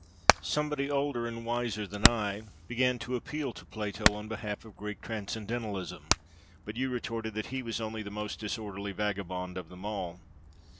Somebody older and wiser than I began to appeal to Plato on behalf of Greek transcendentalism, but you retorted that he was only the most disorderly vagabond of them all.